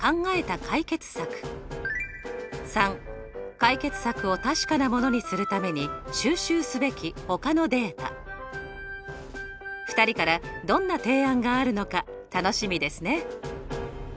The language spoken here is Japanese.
③解決策を確かなものにするために２人からどんな提案があるのか楽しみですね！